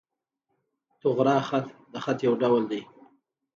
طغرا خط، د خط یو ډول دﺉ.